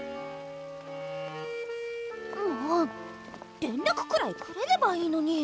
もう連らくくらいくれればいいのに！